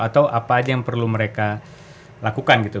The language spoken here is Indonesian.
atau apa aja yang perlu mereka lakukan gitu